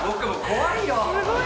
怖いよ。